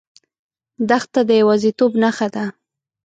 دښته د یوازیتوب نښه ده.